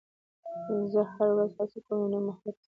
زه هره ورځ هڅه کوم یو نوی مهارت زده کړم